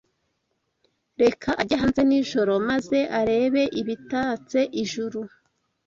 reka ajye hanze nijoro maze arebe ibitatse ijuru